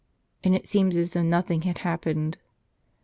And it seemed as though nothing had happened.